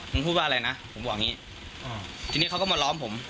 พูดว่าอะไรนะผมบอกอย่างงี้ทีนี้เขาก็มาล้อมผม